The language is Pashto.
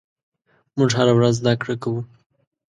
موږ هره ورځ زدهکړه کوو.